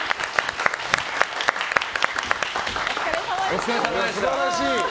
お疲れさまでした。